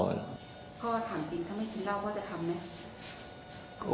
พ่อถามจริงถ้าไม่กินเหล้าพ่อจะทำไหม